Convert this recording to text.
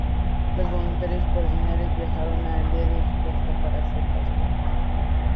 Los Voluntarios coordinadores viajaron a el día de la subasta para hacer las compras.